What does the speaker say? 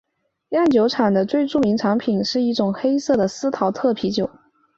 酿酒厂最著名的产品是一种黑色的司陶特啤酒。